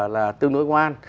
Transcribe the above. là tương đối ngoan